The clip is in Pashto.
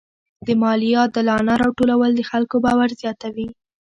د مالیې عادلانه راټولول د خلکو باور زیاتوي.